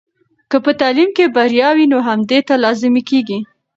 که په تعلیم کې بریا وي، نو همدې ته لازمي کیږي.